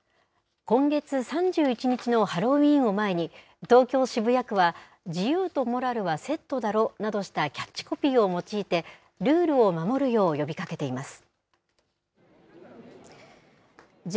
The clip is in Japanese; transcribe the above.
今月３１日のハロウィーンを前に、東京・渋谷区は自由とモラルはセットだろ？というキャッチコピーを用いて、ルールを守るよう呼びかけています。